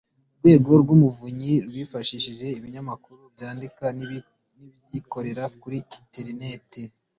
urwego rw'umuvunyi rwifashishije ibinyamakuru byandika n'ibikorera kuri interineti